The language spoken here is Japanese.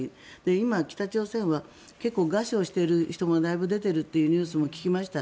今、北朝鮮は結構餓死をしている人がだいぶ出ているというニュースも聞きました。